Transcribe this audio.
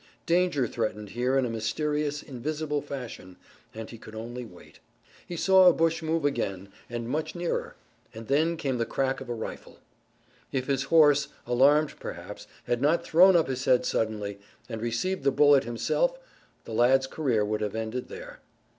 Danger threatened here in a mysterious, invisible fashion and he could only wait. He saw a bush move again, but much nearer, and then came the crack of a rifle. If his horse, alarmed perhaps, had not thrown up his head suddenly, and received the bullet himself the lad's career would have ended there.